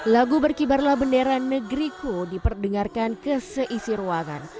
lagu berkibarlah benderan negriku diperdengarkan keseisi ruangan